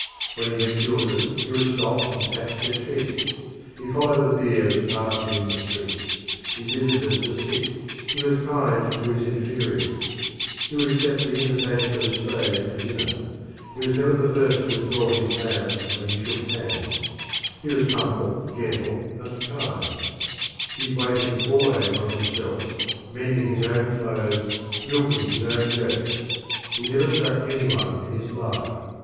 When he met children he would stop and pat their cheeks; he followed the bier that passed him in the street; he visited the sick; he was kind to his inferiors; he would accept the invitation of a slave to dinner; he was never the first to withdraw his hand when he shook hands; he was humble, gentle, and kind; he waited always on himself, mending his own clothes, milking his own goats; he never struck any one in his life.